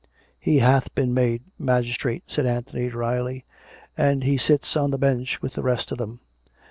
"He hath been made magistrate," said Anthony drily; " and he sits on the bench with the rest of them."